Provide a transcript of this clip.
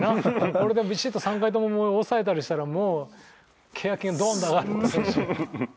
これでビシッと３回とも抑えたりしたらもう契約金ドーンって上がるかもしれんし。